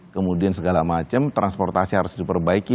kemudian segala macam transportasi harus diperbaiki